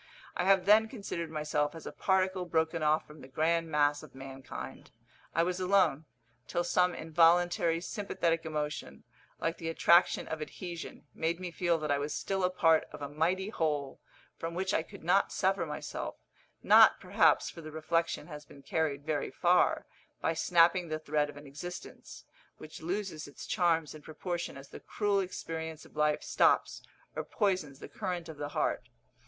I have then considered myself as a particle broken off from the grand mass of mankind; I was alone, till some involuntary sympathetic emotion, like the attraction of adhesion, made me feel that I was still a part of a mighty whole, from which I could not sever myself not, perhaps, for the reflection has been carried very far, by snapping the thread of an existence, which loses its charms in proportion as the cruel experience of life stops or poisons the current of the heart.